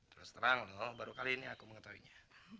terus terang loh baru kali ini aku mengetahuinya